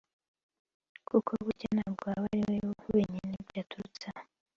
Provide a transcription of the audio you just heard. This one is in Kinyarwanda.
kuko burya ntabwo aba ri we wenyine byaturutseho